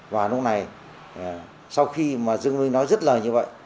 và lúc này sau khi mà dương nguyên minh nói rất lời như vậy